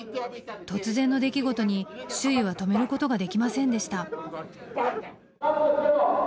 突然の出来事に周囲は止めることができませんでした。